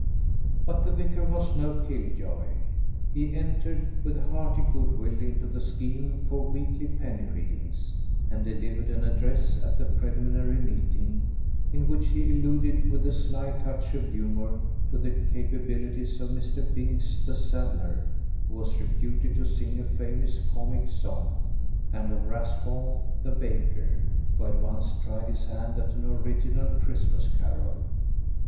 But the vicar was no kill joy. He entered with hearty good will into the scheme for weekly penny readings, and delivered an address at the preliminary meeting, in which he alluded with a sly touch of humour to the capabilities of Mr. Binks, the saddler, who was reputed to sing a famous comic song, and of Raspall, the baker, who had once tried his hand at an original Christmas carol.